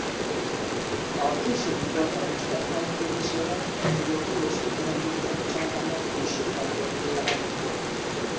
A későbbi polgármester felkérésére a jogi és ügyrendi bizottságának külső szakértője lett.